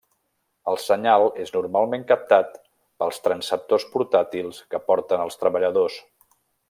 El senyal és normalment captat pels transceptors portàtils que porten els treballadors.